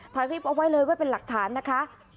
ถ่ายคลิปเอาไว้เลยไว้เป็นหลักฐานนะคะ